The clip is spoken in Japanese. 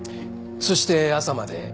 そして朝まで。